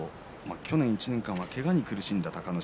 去年１年間はけがに苦しんだ隆の勝。